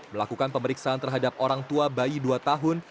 melakukan pemeriksaan terhadap orang tua bayi dua tahun